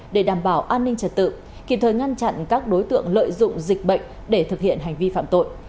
để đảm bảo an ninh trật tự kịp thời ngăn chặn các đối tượng lợi dụng dịch bệnh để thực hiện hành vi phạm tội